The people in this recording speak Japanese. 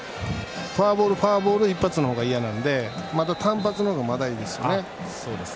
フォアボール、フォアボールで一発の方がいやなのでまた単発の方がまだいいですよね。